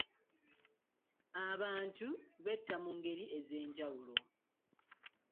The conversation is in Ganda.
Abantu betta mu ngeri ez'enjawulo.